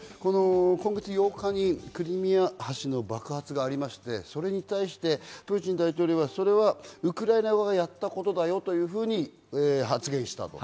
今月８日にクリミア橋の爆発があって、それに対してプーチン大統領はそれはウクライナ側がやったことだよというふうに発言したと。